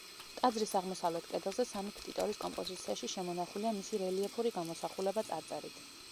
ტაძრის აღმოსავლეთ კედელზე სამი ქტიტორის კომპოზიციაში, შემონახულია მისი რელიეფური გამოსახულება, წარწერით.